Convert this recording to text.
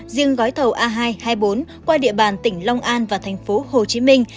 riêng gói thầu a hai hai mươi bốn qua địa bàn tỉnh long an và thành phố hồ chí minh